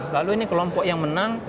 lalu ini kelompok yang menang